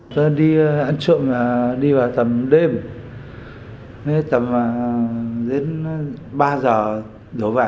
tôi đi ăn trộm đi vào tầm đêm tầm đến ba giờ đổ vả